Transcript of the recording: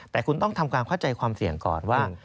แต่คุณต้องทำความเข้าใจความเสี่ยงก่อนว่า